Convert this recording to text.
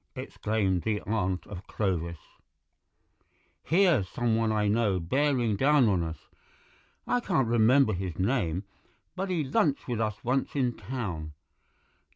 exclaimed the aunt of Clovis, "here's some one I know bearing down on us. I can't remember his name, but he lunched with us once in Town.